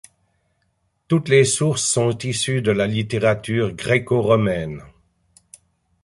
Toutes les sources sont issues de la littérature gréco-romaine.